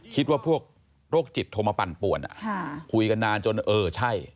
คิดว่าพวกโรคจิตโทรมาปั่นป่วนคุยกันนานจนเออใช่